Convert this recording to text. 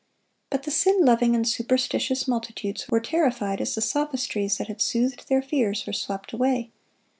But the sin loving and superstitious multitudes were terrified as the sophistries that had soothed their fears were swept away.